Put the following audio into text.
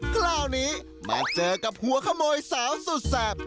คราวนี้มาเจอกับหัวขโมยสาวสุดแสบ